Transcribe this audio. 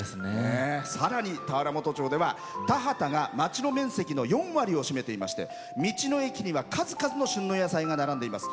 さらに、田原本町では田畑が町の面積の４割を占めており数々の旬の野菜が並んでいます。